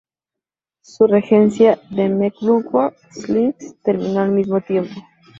Su regencia de Mecklemburgo-Strelitz terminó al mismo tiempo.